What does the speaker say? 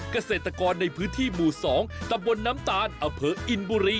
เกษตรกรในพื้นที่หมู่๒ตำบลน้ำตาลอำเภออินบุรี